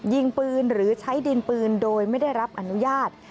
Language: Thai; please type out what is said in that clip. ยิงปืนหรือใช้ดินปืนโดยไม่ได้รับอนุญาต